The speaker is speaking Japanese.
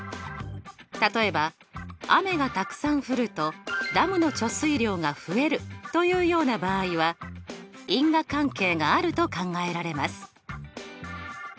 例えば雨がたくさん降るとダムの貯水量が増えるというような場合は因果関係があると考えられます。